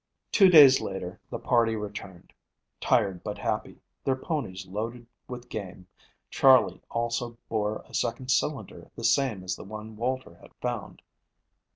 Two days later the party returned, tired but happy, their ponies loaded with game. Charley also bore a second cylinder the same as the one Walter had found.